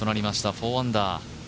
４アンダー。